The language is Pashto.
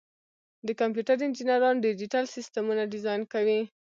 د کمپیوټر انجینران ډیجیټل سیسټمونه ډیزاین کوي.